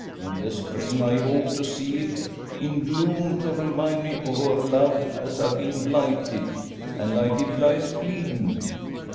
In the spring I hoped to see it in bloom, to remind me o' her love as ha' been blighted, an' like it lies bleedin'.